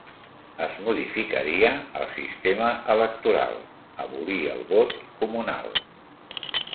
Es modificaria el sistema electoral, abolir el vot comunal.